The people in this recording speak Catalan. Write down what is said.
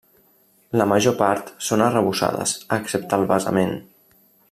La major part són arrebossades excepte al basament.